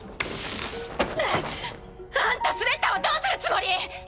くっ！あんたスレッタをどうするつもり